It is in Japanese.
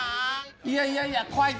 いやいやいや、怖い。